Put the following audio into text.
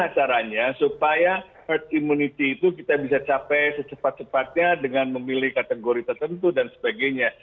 bagaimana caranya supaya herd immunity itu kita bisa capai secepat cepatnya dengan memilih kategori tertentu dan sebagainya